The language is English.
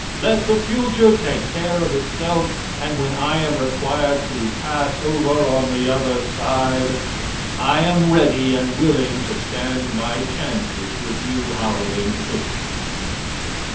Let the future take care of itself, and when I am required to pass over "on the other side," I am ready and willing to stand my chances with you howling Christians.